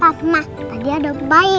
papa tadi ada bayi